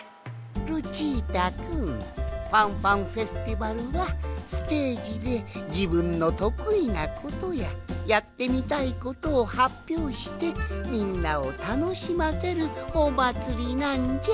ルチータくんファンファンフェスティバルはステージでじぶんのとくいなことややってみたいことをはっぴょうしてみんなをたのしませるおまつりなんじゃ。